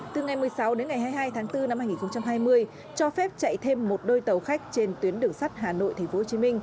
từ ngày một mươi sáu đến ngày hai mươi hai tháng bốn năm hai nghìn hai mươi cho phép chạy thêm một đôi tàu khách trên tuyến đường sắt hà nội tp hcm